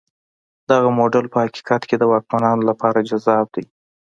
دغه موډل په حقیقت کې د واکمنانو لپاره جذاب دی.